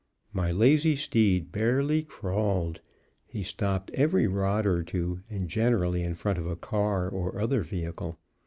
My lazy steed barely crawled; he stopped every rod or two, and generally in front of a car or other vehicle.